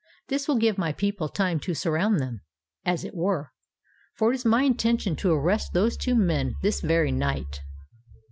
This will give my people time to surround them, as it were: for it is my intention to arrest those two men this very night."